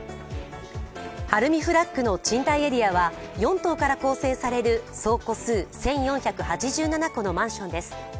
ＨＡＲＵＭＩＦＬＡＧの賃貸エリアは４棟から構成される総戸数１４８７戸のマンションです。